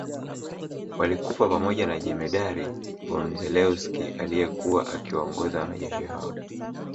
Walikufa pamoja na Jemedari von Zelewski aliyekuwa akiwaongoza wanajeshi hao